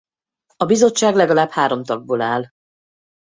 A bizottság legalább három tagból áll.